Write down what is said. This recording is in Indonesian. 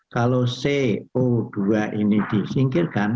kalau co dua ini disingkirkan